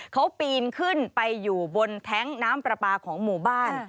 เขาปีนขึ้นไปอยู่บนแท้งน้ำปลาปลาของหมู่บ้าน